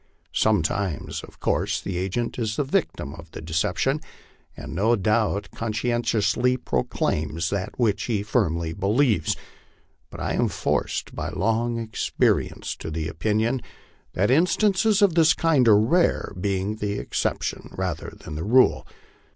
Sometimes, of course, the agent is the victim of deception, and no doubt con scientiously proclaims that which he firmly believes; but I am forced by long experience to the opinion that instances of this kind are rare, being the excep tion rather than the rule.